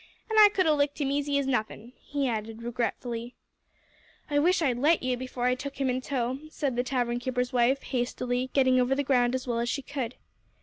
"And I could 'a' licked him's easy as nothin'," he added regretfully. "I wish I'd let you, before I took him in tow," said the tavern keeper's wife, hastily, getting over the ground as well as she could.